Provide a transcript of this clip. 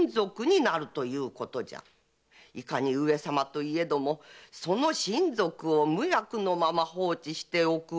いかに上様といえどもその親族を無役のまま放置しておくわけにはいくまい。